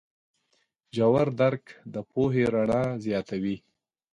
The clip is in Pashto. ژور درک د پوهې رڼا زیاتوي.